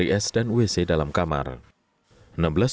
terletak di jalan lantau daeng pasewan kota makassar sulawesi selatan